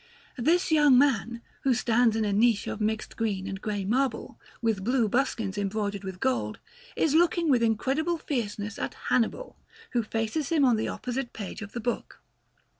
This young man, who stands in a niche of mixed green and grey marble, with blue buskins embroidered with gold, is looking with indescribable fierceness at Hannibal, who faces him on the opposite page of the book.